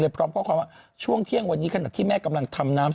เลยพร้อมเพราะว่าช่วงเที่ยงวันนี้ขนาดที่แม่กำลังทำน้ำ